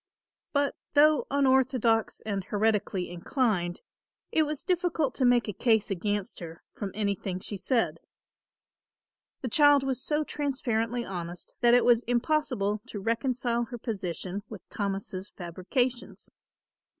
But though unorthodox and heretically inclined, it was difficult to make a case against her from anything she said. The child was so transparently honest that it was impossible to reconcile her position with Thomas' fabrications.